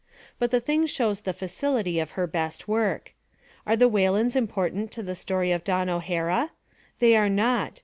... But the thing shows the facil ity of her best work. Are the Whalens important to the story of Dawn O'Hara? They are not.